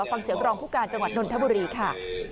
ฟังเสียงรองผู้การจังหวัดนนทบุรีค่ะ